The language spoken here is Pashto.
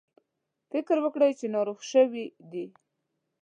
فکر وکړ چې ناروغ شوي دي.